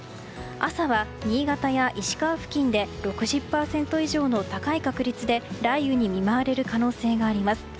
朝は新潟や石川付近で６０％以上の高い確率で雷雨に見舞われる可能性があります。